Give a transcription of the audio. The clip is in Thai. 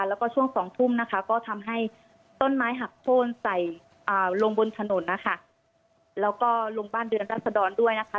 แล้วก็ช่วงสองทุ่มนะคะก็ทำให้ต้นไม้หักโค้นใส่ลงบนถนนนะคะแล้วก็ลงบ้านเรือนรัศดรด้วยนะคะ